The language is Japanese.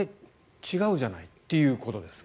違うじゃないということですか。